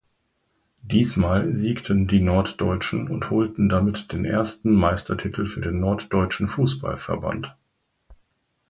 Diesmal siegten die Norddeutschen und holten damit den ersten Meistertitel für den Norddeutschen Fußball-Verband.